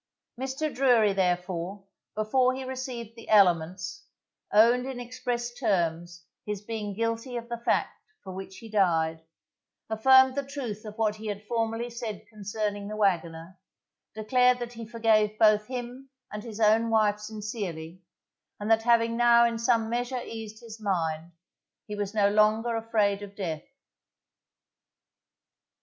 Mr. Drury, therefore, before he received the Elements, owned in express terms his being guilty of the fact for which he died, affirmed the truth of what he had formerly said concerning the wagoner, declared that he forgave both him and his own wife sincerely, and that having now in some measure eased his mind, he was no longer afraid of death.